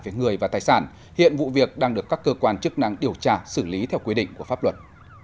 về người và tài sản hiện vụ việc đang được các cơ quan chức năng điều tra xử lý theo quy định của pháp luật